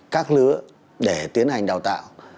các lứa để tiến hành đào tạo